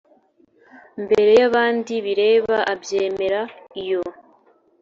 mbere y abandi bireba abyemera iyo